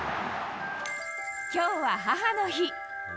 きょうは母の日。